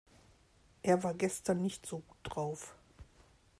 Er war gestern nicht so gut drauf.